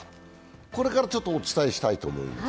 これからお伝えしたいと思います。